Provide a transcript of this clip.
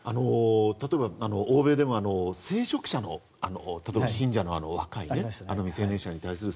例えば欧米でも聖職者の信者の若いね、未成年者に対する